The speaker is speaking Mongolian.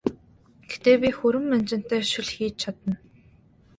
Гэхдээ би хүрэн манжинтай шөл хийж чадна!